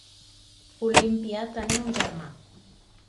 Olímpia tenia un germà.